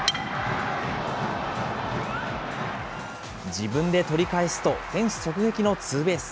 自分で取り返すと、フェンス直撃のツーベース。